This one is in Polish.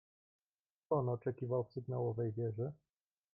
"Kogo on oczekiwał w sygnałowej wieży?"